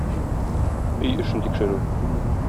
Өй эшен тикшерү.